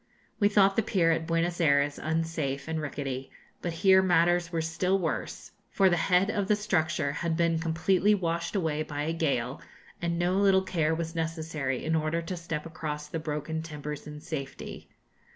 We thought the pier at Buenos Ayres unsafe and rickety, but here matters were still worse, for the head of the structure had been completely washed away by a gale, and no little care was necessary in order to step across the broken timbers in safety.